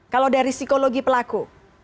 kalau dari psikologi pelaku